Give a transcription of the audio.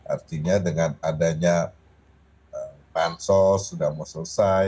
artinya dengan adanya pansos sudah mau selesai